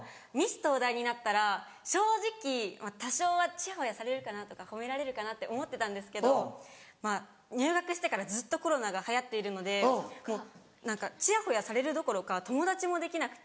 東大になったら正直多少はちやほやされるかなとか褒められるかなって思ってたんですけど入学してからずっとコロナが流行っているのでもう何かちやほやされるどころか友達もできなくて。